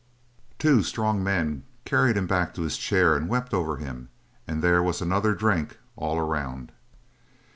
Two strong men carried him back to his chair and wept over him, and there was another drink all around.